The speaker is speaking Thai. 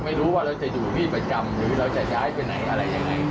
ไม่รู้ว่าเราจะอยู่ที่ประจำหรือเราจะย้ายไปไหนอะไรยังไง